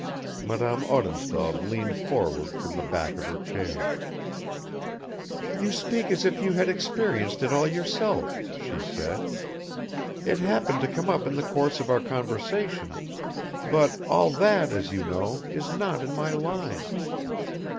Madame Odintsov leaned forward from the back of her chair. "You speak as if you had experienced it all yourself," she said. "It happened to come up in the course of our conversation; but all that, as you know, is not in my line."